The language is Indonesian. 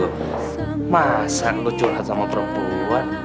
bagaimana kamu curhat dengan perempuan